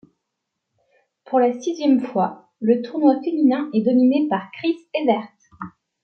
Pour la sixième fois, le tournoi féminin est dominé par Chris Evert.